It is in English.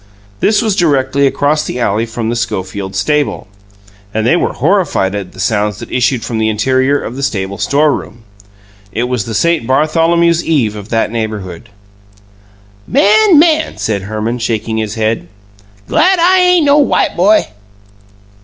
This was directly across the alley from the Schofields' stable, and they were horrified at the sounds that issued from the interior of the stable store room. It was the St. Bartholomew's Eve of that neighbourhood. "Man, man!" said Herman, shaking his head. "Glad I ain' no white boy!"